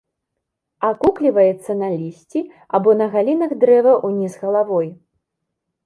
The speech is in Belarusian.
Акукліваецца на лісці або на галінах дрэва ўніз галавой.